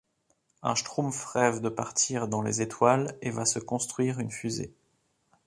Un Schtroumpf rêve de partir dans les étoiles et va se construire une fusée.